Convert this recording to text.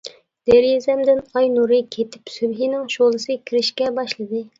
دېرىزەمدىن ئاي نۇرى كېتىپ، سۈبھىنىڭ شولىسى كىرىشكە باشلىدى.